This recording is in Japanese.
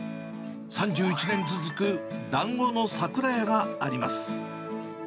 ３１年続くだんごのさくらやがあります。